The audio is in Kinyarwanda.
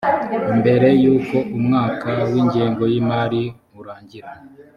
mbere y uko umwaka w ingengo y imari urangira